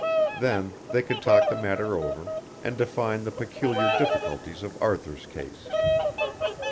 Then they could talk the matter over, and define the peculiar difficulties of Arthur's case.